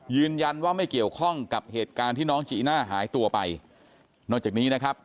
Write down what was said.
ยืนยันว่าไม่เกี่ยวข้องกับเหตุการณ์ที่น้องจีน่าหายตัวไปนอกจากนี้นะครับ